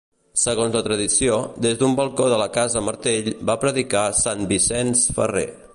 Segons la tradició, des d'un balcó de la casa Martell va predicar Sant Vicenç Ferrer.